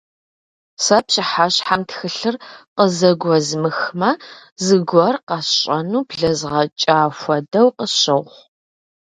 Сэ пщыхьэщхьэм тхылъыр къызэгуэзмыхмэ, зыгуэр къэсщӀэну блэзгъэкӀа хуэдэу къысщохъу.